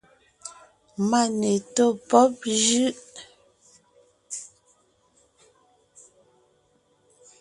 Mane tó pɔ́b jʉ́ʼ.